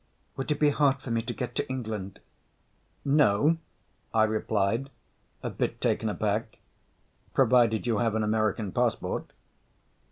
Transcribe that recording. "Would it be hard for me to get to England?" "No," I replied, a bit taken aback. "Provided you have an American passport."